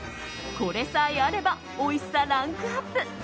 これさえあればおいしさランクアップ！